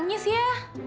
nunggu aku ya